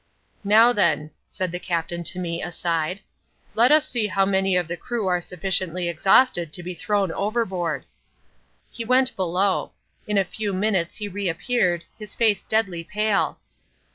"Now, then," said the Captain to me aside, "let us see how many of the crew are sufficiently exhausted to be thrown overboard." He went below. In a few minutes he re appeared, his face deadly pale.